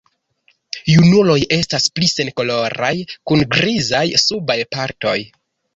Junuloj estas pli senkoloraj kun grizaj subaj partoj.